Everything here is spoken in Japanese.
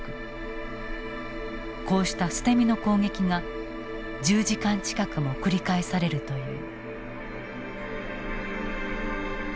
こうした捨て身の攻撃が１０時間近くも繰り返されるという。